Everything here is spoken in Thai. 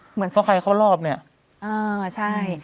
เพราะว่าใครเขารอบเนี่ย